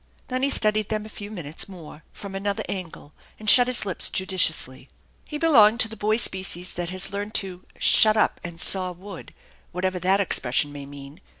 Then he studied them a few minutes more from another angle, and shut his lips judiciously. He belonged to the boy species that has learned to "shut up and saw wood/*' whatever that expression may mean.